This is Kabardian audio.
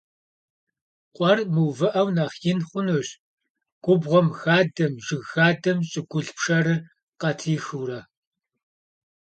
Къуэр мыувыӀэу нэхъ ин хъунущ, губгъуэм, хадэм, жыг хадэм щӀыгулъ пшэрыр къатрихыурэ.